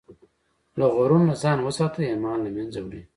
له غرور نه ځان وساته، ایمان له منځه وړي.